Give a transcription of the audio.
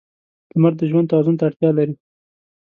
• لمر د ژوند توازن ته اړتیا لري.